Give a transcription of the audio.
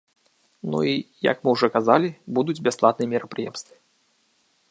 Ну і, як мы ўжо казалі, будуць і бясплатныя мерапрыемствы.